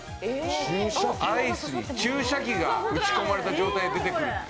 アイスに注射器が打ち込まれた状態で出てくる。